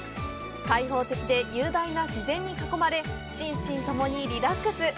開放的で雄大な自然に囲まれ、心身ともにリラックス。